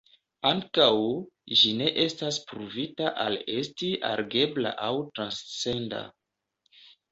Ankaŭ, ĝi ne estas pruvita al esti algebra aŭ transcenda.